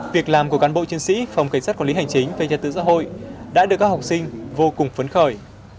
việc làm của cán bộ chiến sĩ phòng cảnh sát của lý hành chính về trật tứ xã hội đã được các học sinh vô cùng phấn khởi